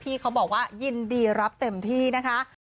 เขาบอกว่ายินดีรับเต็มที่นะคะ